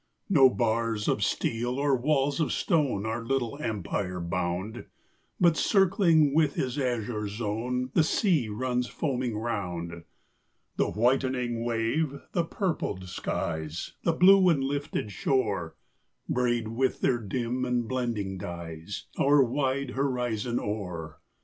No bars of steel or walls of stone Our little empire bound, But, circling with his azure zone, The sea runs foaming round; The whitening wave, the purpled skies, The blue and lifted shore, Braid with their dim and blending dyes Our wide horizon o'er.